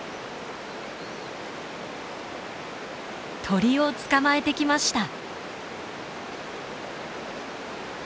鳥を捕まえてきました！